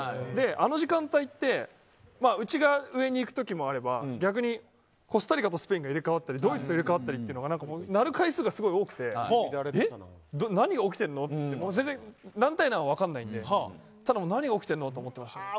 あの時間帯ってうちが上にいくときもあれば逆にコスタリカとスペインとかドイツが入れ替わったりとか鳴る回数が多くて何が起きてるのって全然、何対何は分からないので何が起きてるのと思ってましたね。